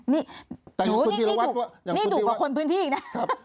นี่ดุกกว่าคนพื้นที่เนี่ย